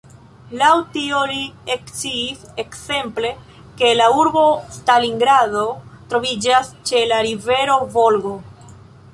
Laŭ tio, li eksciis, ekzemple, ke “la urbo Stalingrado troviĝas ĉe la rivero Volgo.